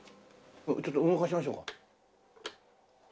ちょっと動かしましょうか。